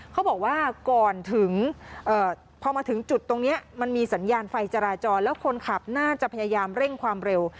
เขาบอกว่าก่อนถึงพอมาถึงจุดตรงนี้มันมีสัญญาณไฟจราจรแล้วคนขับน่าจะพยายามเร่งความเร็ว